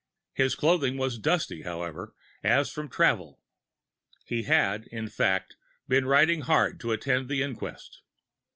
His clothing was dusty, however, as from travel. He had, in fact, been riding hard to attend the inquest.